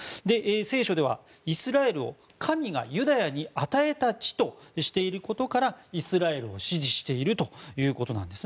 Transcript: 聖書ではイスラエルを神がユダヤに与えた地としていることからイスラエルを支持しているということです。